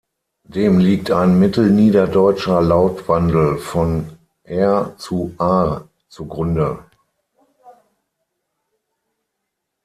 Dem liegt ein mittelniederdeutscher Lautwandel von "-er-" zu "-ar-" zugrunde.